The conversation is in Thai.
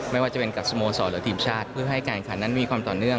ไม่ว่าจะเป็นกับสโมสรหรือทีมชาติเพื่อให้การขันนั้นมีความต่อเนื่อง